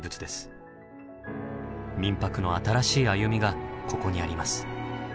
「みんぱく」の新しい歩みがここにあります。